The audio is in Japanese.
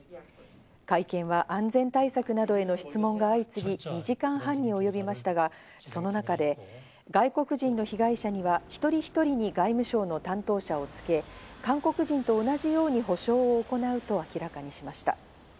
会見は安全対策などへの質問が相次ぎ、２時間半に及びましたが、その中で外国人の被害者には一人一人に外務省の担当者をつけ、韓国人と同じように補償を行うと明らかにしました。